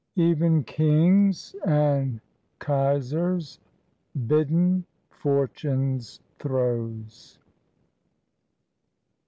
Even kings and kesars biden fortune's throws.